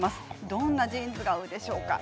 どんなジーンズが合うでしょうか。